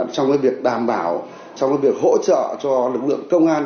trong cái việc đảm bảo trong cái việc hỗ trợ cho lực lượng công an